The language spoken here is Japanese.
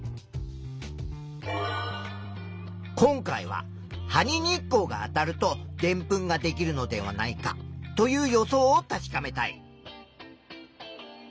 今回は「葉に日光があたるとでんぷんができるのではないか」という予想を確かめたい。